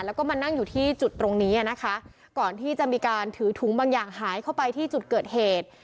แล้วก็มานั่งอยู่ที่จุดตรงนี้อ่ะนะคะก่อนที่จะมีการถือถุงบางอย่างหายเข้าไปที่จุดเกิดเหตุ